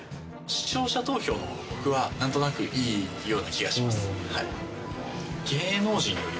視聴者投票のほうが僕は何となくいいような気がします。